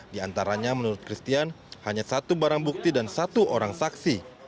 di antaranya menurut christian hanya satu barang bukti dan satu orang saksi